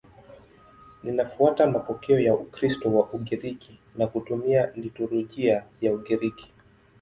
Linafuata mapokeo ya Ukristo wa Ugiriki na kutumia liturujia ya Ugiriki.